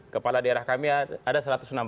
kepala daerah kami ada satu ratus enam puluh